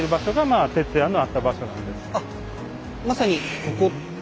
あまさにここ。